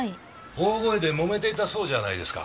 大声でもめていたそうじゃないですか。